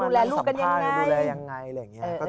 ดูแลลูกกันยังไง